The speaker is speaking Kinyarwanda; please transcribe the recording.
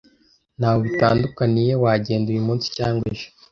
Ntaho bitandukaniye wagenda uyu munsi cyangwa ejo.